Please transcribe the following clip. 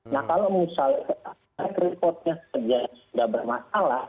nah kalau misalnya reportnya sudah bermasalah